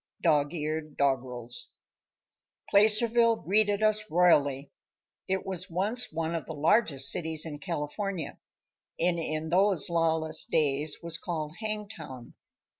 Dog eared Doggerels. Placerville greeted us royally. It was once one of the largest cities in California, and in those lawless days was called Hangtown.